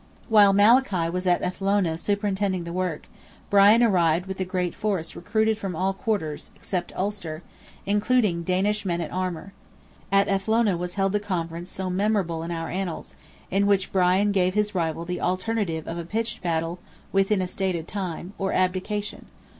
While Malachy was at Athlone superintending the work, Brian arrived with a great force recruited from all quarters (except Ulster), including Danish men in armour. At Athlone was held the conference so memorable in our annals, in which Brian gave his rival the alternative of a pitched battle, within a stated time, or abdication.